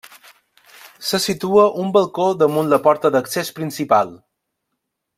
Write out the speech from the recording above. Se situa un balcó damunt la porta d'accés principal.